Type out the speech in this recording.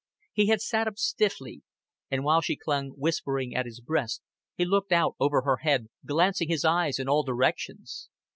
He had sat up stiffly, and while she clung whispering at his breast he looked out over her head, glancing his eyes in all directions.